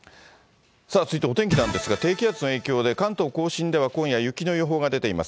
続いてお天気なんですが、低気圧の影響で、関東甲信では今夜、雪の予報が出ています。